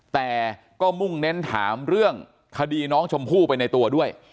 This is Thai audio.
แต่ก็มุ่งเน้นถามเรื่องคดีน้องชมพู่ไปในตัวด้วย